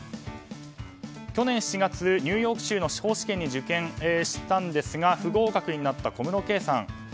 去年７月、ニューヨーク州の司法試験に受験したんですが不合格になった小室圭さん。